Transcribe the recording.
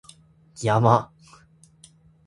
山